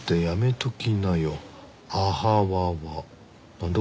なんだ？